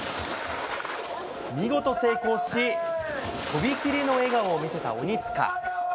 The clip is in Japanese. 見事、成功し、飛び切りの笑顔を見せた鬼塚。